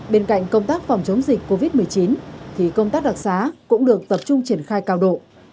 bên cạnh công tác phòng chống dịch covid một mươi chín thì công tác đặc xá cũng được tập trung triển khai cao độ